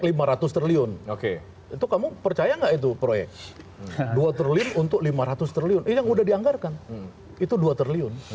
lima ratus triliun oke itu kamu percaya enggak itu proyek dua triliun untuk lima ratus triliun yang udah dianggarkan